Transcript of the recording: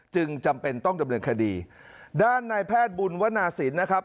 จำเป็นต้องดำเนินคดีด้านนายแพทย์บุญวนาศิลป์นะครับ